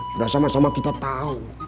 sudah sama sama kita tahu